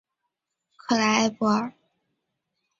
克莱埃布尔。